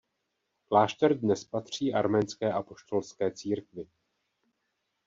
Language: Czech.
Klášter dnes patří Arménské apoštolské církvi.